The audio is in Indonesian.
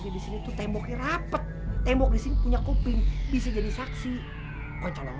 disini tuh tembok rapet tembok disini punya kuping bisa jadi saksi poncolong